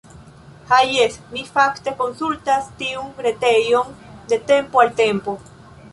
Ha jes, mi fakte konsultas tiun retejon de tempo al tempo.